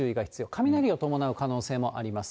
雷を伴う可能性もあります。